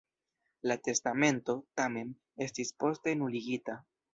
La testamento, tamen, estis poste nuligita.